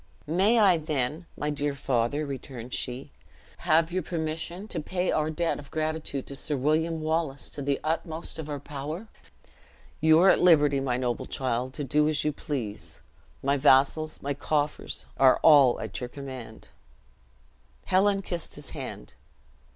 "May I, then, my dear father," returned she, "have your permission to pay our debt of gratitude to Sir William Wallace to the utmost of our power?" "You are at liberty, my noble child, to do as you please. My vassals, my coffers, are all at your command." Helen kissed his hand.